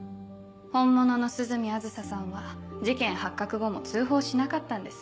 本物の涼見梓さんは事件発覚後も通報しなかったんです。